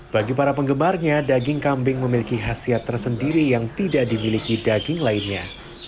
bagi para penggemarnya daging kambing memiliki khasiat tersendiri yang tidak dimiliki daging lainnya